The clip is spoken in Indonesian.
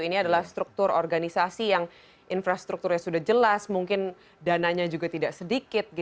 ini adalah struktur organisasi yang infrastrukturnya sudah jelas mungkin dananya juga tidak sedikit